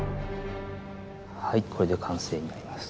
はいこれで完成になります。